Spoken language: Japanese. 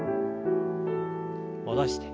戻して。